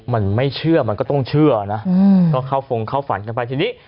มันไม่เชื่อมันก็ต้องเชื่อนะก็เข้าฟงเข้าฝันกันไปทีนี้